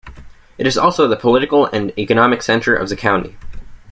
It is also the political and economic center of the county.